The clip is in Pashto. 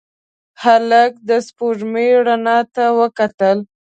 هلک د سپوږمۍ رڼا ته وکتل.